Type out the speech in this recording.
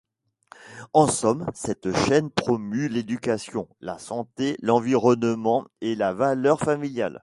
En somme, cette chaîne promeut l'éducation, la santé, l'environnement et la valeurs familiales.